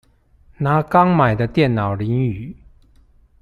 拿剛買的電腦淋雨